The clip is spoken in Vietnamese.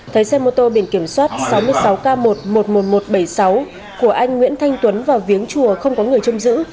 thấy xe mô tô biển kiểm soát sáu mươi sáu k một một mươi một nghìn một trăm bảy mươi sáu của anh nguyễn thanh tuấn vào viếng chùa không có người chôm giữ